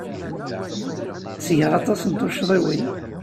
Ttgeɣ aṭas n tuccḍiwin.